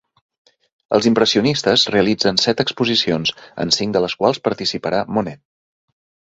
Els impressionistes realitzarien set exposicions, en cinc de les quals participarà Monet.